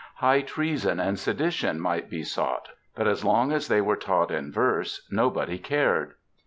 '" High treason and sedition might be sought, but asT long as they were taught in verse nobody cared.